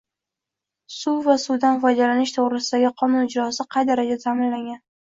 “Suv va suvdan foydalanish to‘g‘risida”gi qonun ijrosi qay darajada ta’minlangan?